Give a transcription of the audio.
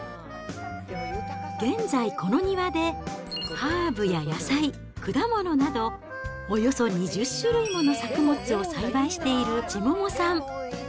現在、この庭でハーブや野菜、果物など、およそ２０種類もの作物を栽培している千桃さん。